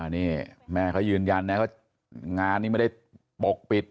นี่แม่เขายืนยันนะว่างานนี้ไม่ได้ปกปิด